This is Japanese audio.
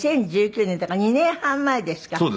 ２０１９年だから２年半前ですか。